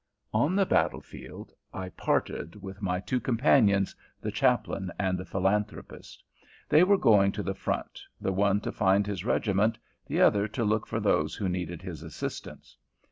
On the battle field I parted with my two companions, the Chaplain and the Philanthropist. They were going to the front, the one to find his regiment, the other to look for those who needed his assistance.